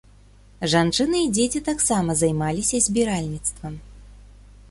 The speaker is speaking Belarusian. Жанчыны і дзеці таксама займаліся збіральніцтвам.